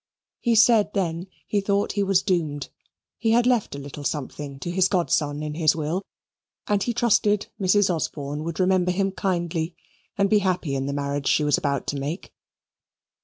He said then he thought he was doomed; he had left a little something to his godson in his will, and he trusted Mrs. Osborne would remember him kindly and be happy in the marriage she was about to make.